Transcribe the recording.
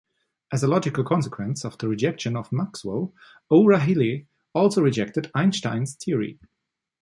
As a logical consequence of his rejection of Maxwell, O'Rahilly also rejected Einstein's theory.